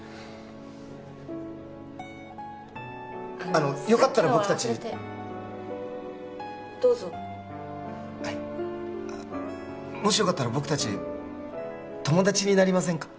あのよかったら僕達あのさっきのは忘れてどうぞはいもしよかったら僕達友達になりませんか？